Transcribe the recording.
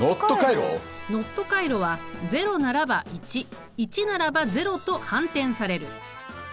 ＮＯＴ回路は０ならば１１ならば０と反転される。